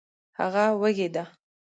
هغه وږې ده